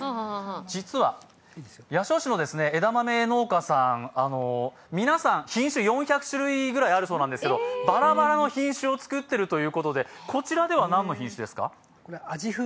実は、八潮市の枝豆農家さん皆さん、品種４００種類ぐらいあるそうなんですけどばらばらの品種を作っているということで、こちらでは何の品種ですか？